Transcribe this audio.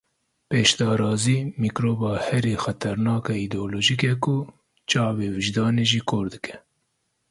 Pêşdarazî, mîkroba herî xeternak a îdeolojîk e ku çavê wijdanî jî kor dike.